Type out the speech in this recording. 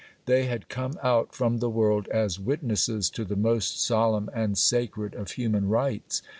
They had come out from the world as witnesses to the most solemn and sacred of human rights.